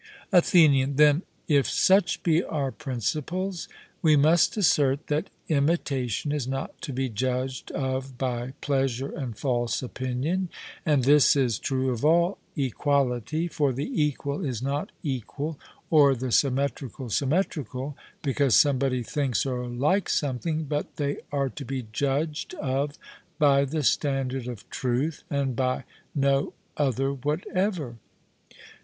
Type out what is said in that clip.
ATHENIAN: Then, if such be our principles, we must assert that imitation is not to be judged of by pleasure and false opinion; and this is true of all equality, for the equal is not equal or the symmetrical symmetrical, because somebody thinks or likes something, but they are to be judged of by the standard of truth, and by no other whatever.